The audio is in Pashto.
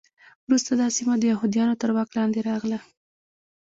وروسته دا سیمه د یهودانو تر واک لاندې راغله.